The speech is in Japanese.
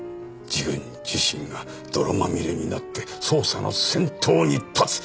自分自身が泥まみれになって捜査の先頭に立つ。